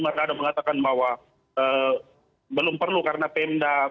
mardado mengatakan bahwa belum perlu karena pemda